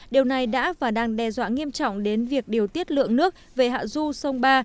điều này đã và đang đe dọa nghiêm trọng đến việc điều tiết lượng nước về hạ du sông ba